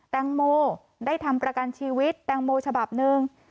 แตงโมได้ทำประกันชีวิตแตงโมฉบับหนึ่ง